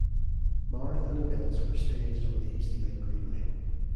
Marathon events were staged on the East Lake Greenway.